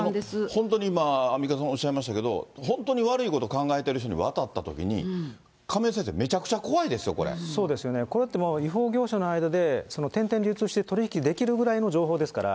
本当に今、アンミカさんおっしゃいましたけれども、本当に悪いこと考えてる人に渡ったときに、亀井先生、めちゃくちそうですね、これってもう、違法業者の間で、流通して、取り引きできるぐらいの情報ですから。